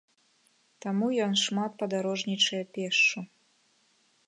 Таму ён шмат падарожнічае пешшу.